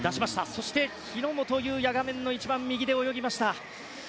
そして、日本雄也画面の一番右で泳ぎました。